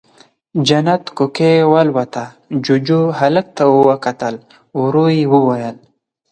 جنت کوکۍ والوته، جُوجُو، هلک ته وکتل، ورو يې وويل: